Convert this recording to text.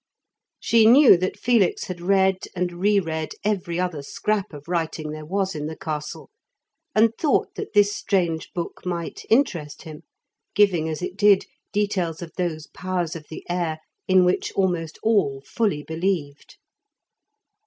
She knew that Felix had read and re read every other scrap of writing there was in the castle, and thought that this strange book might interest him, giving, as it did, details of those powers of the air in which almost all fully believed.